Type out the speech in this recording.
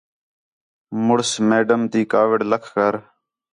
مُݨس میڈم تی کاوِڑ لَکھ کر